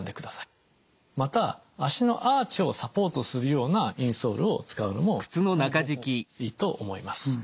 また足のアーチをサポートするようなインソールを使うのもいいと思います。